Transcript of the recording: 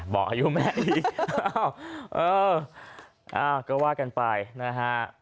บอกอายุแม่อีกอ้าวเออก็ว่ากันไปนะฮะ